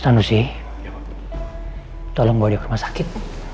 stanusi tolong bawa dia ke rumah sakit